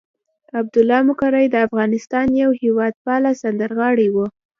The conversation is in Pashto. عبدالله مقری د افغانستان یو هېواد پاله سندرغاړی وو.